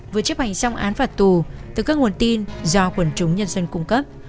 vừa chấp hành xong án phạt tù từ các nguồn tin do quần chúng nhân dân cung cấp